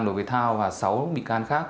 đối với thao và sáu bị can khác